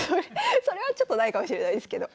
それはちょっとないかもしれないですけど。